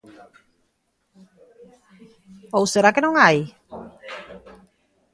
¿Ou será que non hai?